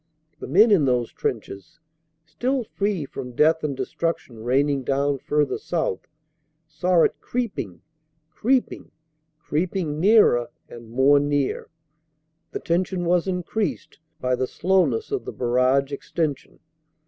The men in those trenches, still free from death and destruction raining down further south, saw it creeping, creeping, creeping nearer and more near. The tension was increased by the slowness of the barrage extension.